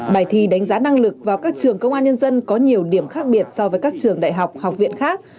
bài thi đánh giá năng lực vào các trường công an nhân dân có nhiều điểm khác biệt so với các trường đại học học viện khác